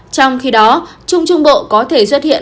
trong khi đó trung trung bộ có thể xuất hiện